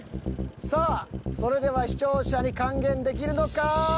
さあそれでは視聴者に還元できるのか。